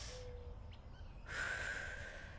ふう。